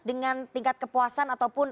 dengan tingkat kepuasan ataupun